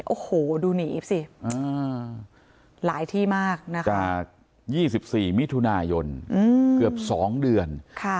โอ้โหดูหนีสิหลายที่มากนะคะจาก๒๔มิถุนายนเกือบ๒เดือน